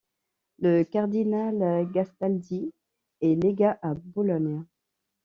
Le cardinal Gastaldi est légat à Bologne.